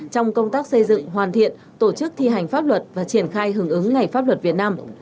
trong công tác xây dựng hoàn thiện tổ chức thi hành pháp luật và triển khai hưởng ứng ngày pháp luật việt nam